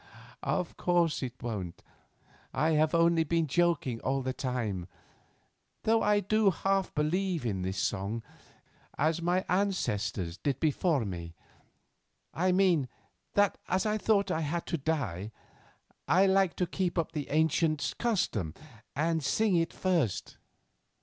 "Of course it won't. I have only been joking all the time, though I do half believe in this old song, as my ancestors did before me. I mean, that as I thought I had to die, I liked to keep up the ancient custom and sing it first.